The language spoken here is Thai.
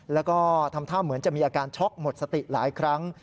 แล้วก็ทำท่าเหมือนจะมีอาการช็อกหมดสติหลายครั้ง